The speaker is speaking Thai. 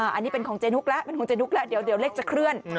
อันนี้เป็นของเจนุกแล้วเป็นของเจนุกแล้วเดี๋ยวเลขจะเคลื่อน